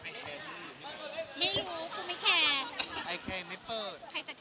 ผมไม่แคลร์